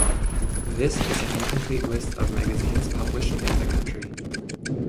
This is an incomplete list of magazines published in the country.